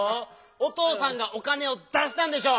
お父さんが「おかねをだした」んでしょ